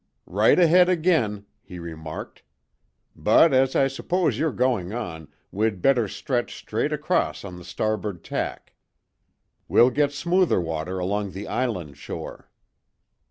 "Right ahead again," he remarked. "But as I suppose you're going on, we'd better stretch straight across on the starboard tack; we'll get smoother water along the island shore."